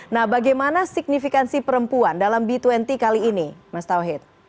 nah bagaimana signifikansi perempuan dalam b dua puluh kali ini mas tauhid